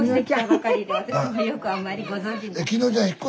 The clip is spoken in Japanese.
私もよくあんまりご存じない。